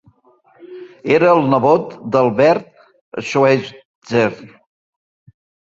Era el nebot d'Albert Schweitzer.